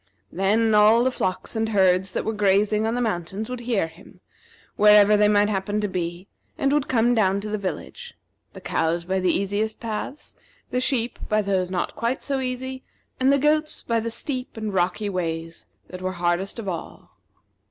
Then all the flocks and herds that were grazing on the mountains would hear him, wherever they might happen to be, and would come down to the village the cows by the easiest paths, the sheep by those not quite so easy, and the goats by the steep and rocky ways that were hardest of all.